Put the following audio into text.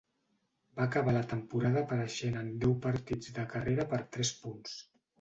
Va acabar la temporada apareixent en deu partits de carrera per tres punts.